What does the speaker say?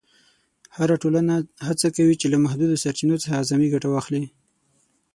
هره ټولنه هڅه کوي چې له محدودو سرچینو څخه اعظمي ګټه واخلي.